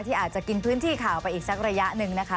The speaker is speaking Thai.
อาจจะกินพื้นที่ข่าวไปอีกสักระยะหนึ่งนะคะ